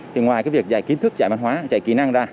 thì ngoài cái việc dạy kiến thức dạy mạng hóa dạy kỹ năng ra